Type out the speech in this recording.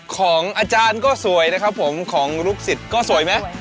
ของอาจารย์ก็สวยนะครับผมของลูกศิษย์ก็สวยไหม